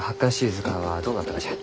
図鑑はどうなったがじゃ？